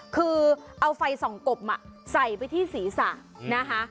คือเอาไฟส่องกบใส่ไปที่ศีรษะนะคะ